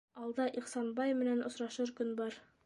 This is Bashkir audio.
Алда Ихсанбай менән осрашыр көн бар.